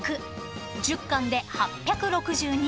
［１０缶で８６２円］